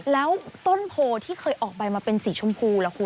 แล้วต้นโพที่เคยออกใบมาเป็นสีชมพูล่ะคุณ